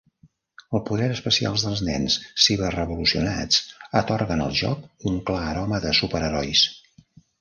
Els poders especials dels nens ciberevolucionats atorguen al joc un clar aroma de superherois.